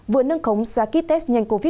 vừa nâng khống ra ký test nhanh covid một mươi chín